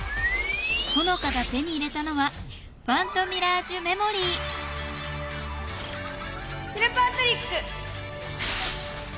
ホノカが手に入れたのはファントミラージュメモリーキラパワトリック！